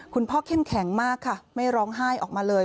เข้มแข็งมากค่ะไม่ร้องไห้ออกมาเลย